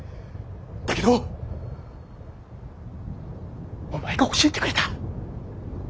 だけどお前が教えてくれた。